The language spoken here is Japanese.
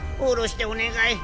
下ろしてお願い！